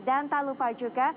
dan tak lupa juga